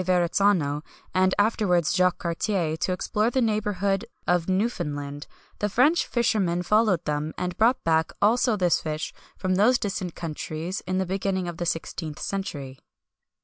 Verrazzano, and afterwards, Jacques Cartier, to explore the neighbourhood of Newfoundland, the French fishermen followed them, and brought back also this fish from those distant countries in the beginning of the 16th century.